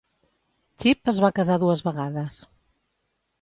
Chipp es va casar dues vegades.